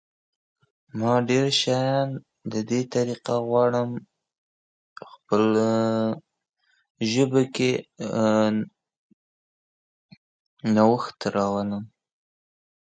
I have extensively researched the course curriculum and requirements for this program.